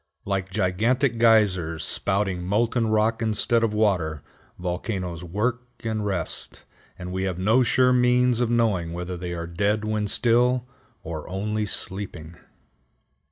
Like gigantic geysers spouting molten rock instead of water, volcanoes work and rest, and we have no sure means of knowing whether they are dead when still, or only sleeping.